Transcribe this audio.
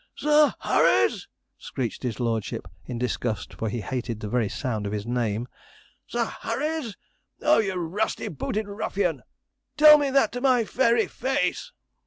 'Sir Harry's!' screeched his lordship in disgust, for he hated the very sound of his name 'Sir Harry's! Oh, you rusty booted ruffian! Tell me that to my very face!'